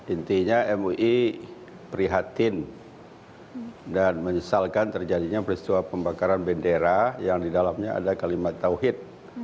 intinya mui prihatin dan menyesalkan terjadinya peristiwa pembakaran bendera yang didalamnya ada kalimat tawhid